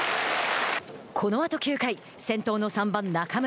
このあと９回先頭の３番中村。